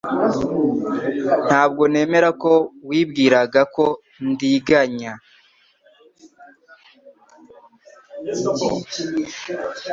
Ntabwo nemera ko wibwiraga ko ndiganya